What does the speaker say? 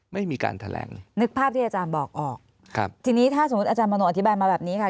ไม่มีการแถลงนึกภาพที่อาจารย์บอกออกครับทีนี้ถ้าสมมุติอาจารย์มโนอธิบายมาแบบนี้ค่ะ